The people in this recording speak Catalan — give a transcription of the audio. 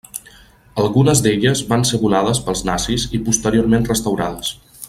Algunes d'elles van ser volades pels nazis i posteriorment restaurades.